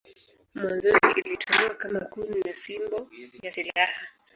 Mwanzoni ilitumiwa kama kuni na fimbo ya silaha.